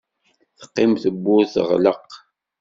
Teqqim tewwurt teɣleq.